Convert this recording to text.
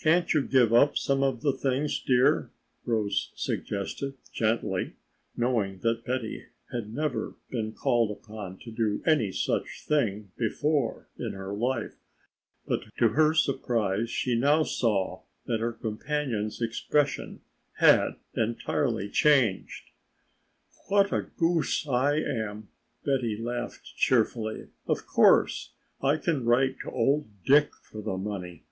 "Can't you give up some of the things, dear," Rose suggested gently, knowing that Betty had never been called upon to do any such thing before in her life, but to her surprise she now saw that her companion's expression had entirely changed. "What a goose I am!" Betty laughed cheerfully. "Of course I can write to old Dick for the money.